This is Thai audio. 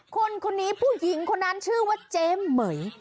คนนี้ผู้หญิงคนนั้นชื่อว่าเจ๊เหม๋ย